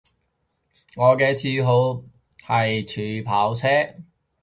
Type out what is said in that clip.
我嘅嗜好係儲跑車